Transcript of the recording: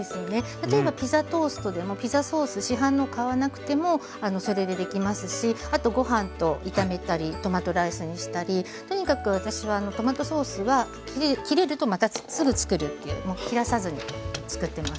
例えばピザトーストでもピザソース市販の買わなくてもそれでできますしあとご飯と炒めたりトマトライスにしたりとにかく私はトマトソースは切れるとまたすぐつくるっていうもう切らさずにつくってます。